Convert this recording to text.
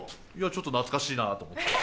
ちょっと懐かしいなと思って。